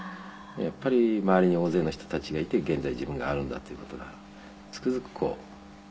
やっぱり周りに大勢の人たちがいて現在自分があるんだっていう事がつくづくわかってきました。